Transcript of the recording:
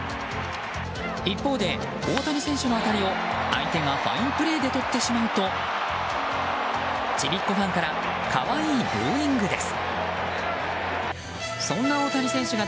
一方で大谷選手の当たりを相手がファインプレーでとってしまうとちびっ子ファンから可愛いブーイングです。